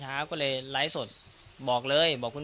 อาทิตย์กริมตำลังการ